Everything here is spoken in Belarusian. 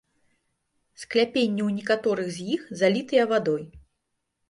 Скляпенні ў некаторых з іх залітыя вадой.